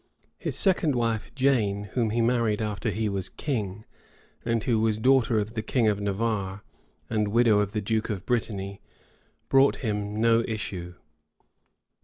His second wife, Jane, whom he married after he was king, and who was daughter of the king of Navarre, and widow of the duke of Brittany, brought him no issue.